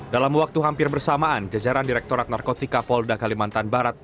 dalam waktu hampir bersamaan jajaran direktorat narkotika polda kalimantan barat